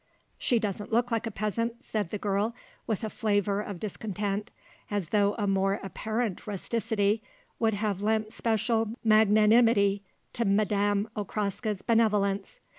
"She doesn't look like a peasant," said the girl, with a flavour of discontent, as though a more apparent rusticity would have lent special magnanimity to Madame Okraska's benevolence.